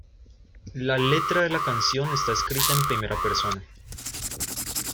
La letra de la canción está escrita en primera persona.